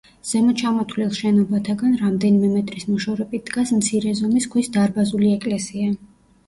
ზემოჩამოთვლილ შენობათაგან რამდენიმე მეტრის მოშორებით დგას მცირე ზომის ქვის დარბაზული ეკლესია.